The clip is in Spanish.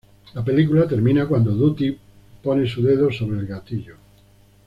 La película termina cuando Dottie pone su dedo sobre el gatillo.